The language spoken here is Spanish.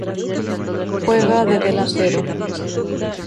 Juega de delantero